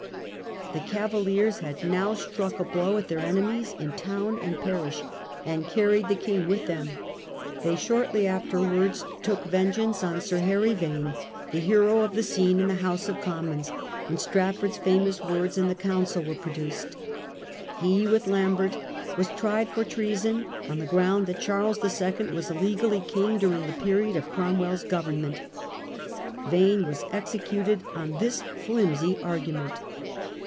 The Cavaliers had now struck a blow at their enemies in town and parish, and carried the king with them. They shortly afterwards took vengeance on Sir Harry Vane, the hero of the scene in the House of Commons when Strafford's famous words in the Council were produced. He, with I^mbert, was tried for treason, on the ground that Charles II. was legally king during the period of Cromwell's government. Vane was executed on this flimsy argument.